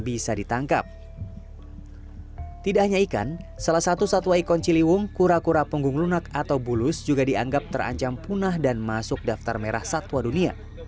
tidak hanya ikan salah satu satwa ikon ciliwung kura kura punggung lunak atau bulus juga dianggap terancam punah dan masuk daftar merah satwa dunia